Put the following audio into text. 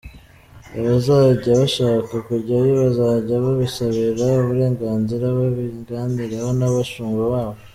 Abazajya bashaka kujyayo bazajya babisabira uburenganzira, babiganireho n’abashumba babo.